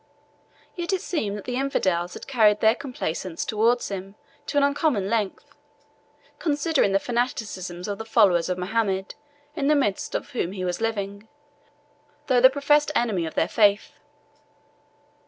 Yet it seemed that the infidels had carried their complaisance towards him to an uncommon length, considering the fanaticism of the followers of Mohammed, in the midst of whom he was living, though the professed enemy of their faith.